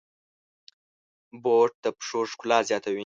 بوټ د پښو ښکلا زیاتوي.